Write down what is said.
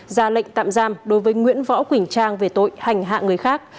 ra lệnh tạm giam đối với nguyễn võ quỳnh trang về tội hành hạ người khác